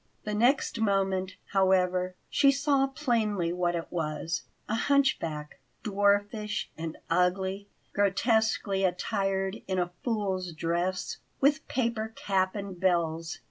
The next moment, however, she saw plainly what it was a hunchback, dwarfish and ugly, grotesquely attired in a fool's dress, with paper cap and bells.